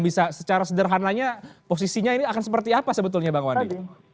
bisa secara sederhananya posisinya ini akan seperti apa sebetulnya bang wandi